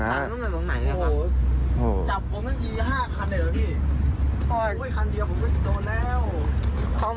คนเดียวผมก็อีกตัวแล้ว